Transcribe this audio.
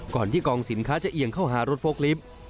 ก่อนที่กองสินค้าจะเอียงเข้าหารถโฟล์ลิฟต์